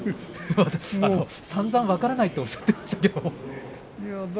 さんざん分からないとおっしゃっていましたよね。